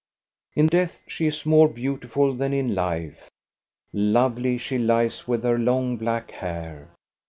In death she is more beautiful than in life. Lovely she lies, with her long, black hair.